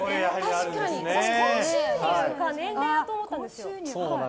高収入か年齢かと思ったんですよ。